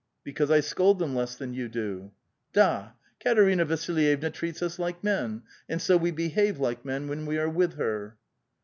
" Because I scold them less than you do." " Da! Katerina Vasilj'evna treats us like men, and so we behave like men when we are with her."